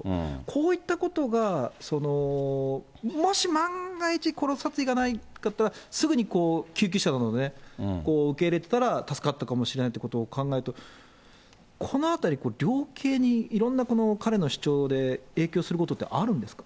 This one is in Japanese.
こういったことが、もし万が一、これ、殺意がなかったら、すぐに救急車などでね、受け入れてたら、助かったかもしれないということを考えると、このあたり、量刑にいろんな彼の主張で影響することってあるんですか？